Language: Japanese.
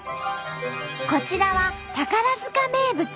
こちらは宝塚名物